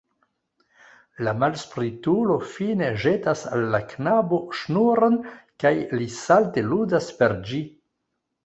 La malspritulo fine ĵetas al la knabo ŝnuron kaj li salte ludas per ĝi.